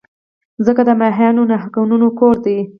مځکه د ماهیانو، نهنګانو کور ده.